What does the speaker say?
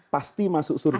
pasti masuk surga